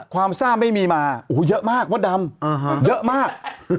ความซ่าไม่มีมาโอ้โหเยอะมากมดดำเยอะมาก